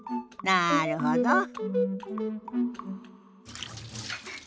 なるほど。